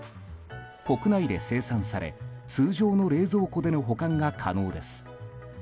国内で生産され通常の冷蔵庫での保管が可能です。